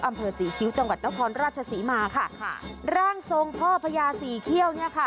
อำเภอศรีคิ้วจังหวัดนครราชศรีมาร่างทรงพ่อพระยาศรีเคี่ยว